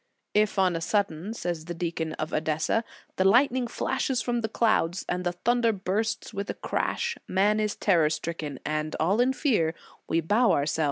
" If, on a sudden," says the deacon of Edessa, " the lightning flashes from the clouds, and the thunder bursts with a crash, man is terror stricken, and all in fear, we bow ourselves to the earth."